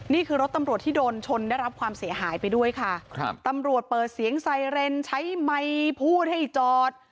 นี่คือรถตำรวจที่โดนชนได้รับความเสียหายไปด้วยค่ะครับตำรวจเปิดเสียงไซเรนใช้ไมค์พูดให้จอด